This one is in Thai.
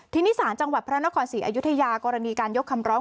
ทีนี้ศาลจังหวัดพระนครศรีอยุธยากรณีการยกคำร้อง